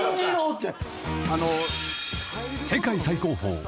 って。